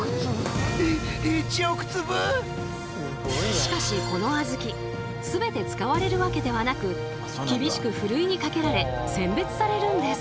しかしこのあずき全て使われるわけではなく厳しくふるいにかけられ選別されるんです。